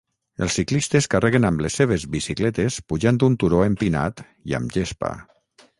Els ciclistes carreguen amb les seves bicicletes pujant un turó empinat i amb gespa.